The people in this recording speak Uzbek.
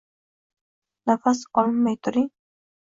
Nafas olmay turing.